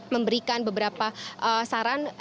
memberikan beberapa saran